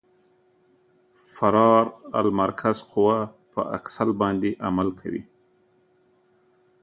فرار المرکز قوه په اکسل باندې عمل کوي